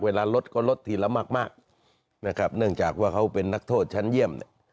ลดก็ลดทีละมากมากนะครับเนื่องจากว่าเขาเป็นนักโทษชั้นเยี่ยมเนี่ย